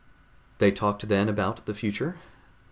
They talked then about the future.